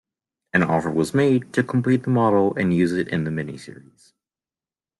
An offer was made to complete the model and use it in the miniseries.